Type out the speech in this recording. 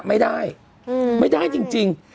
ไม่ได้ไม่ได้จริง